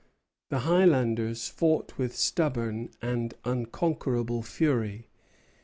The Highlanders fought with stubborn and unconquerable fury.